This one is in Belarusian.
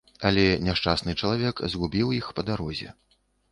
Але няшчасны чалавек згубіў іх па дарозе.